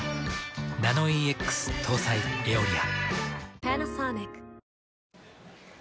ナノイーＸ搭載「エオリア」。